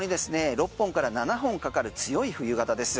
６本から７本かかる強い冬型です。